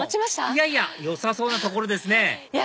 いやいやよさそうな所ですね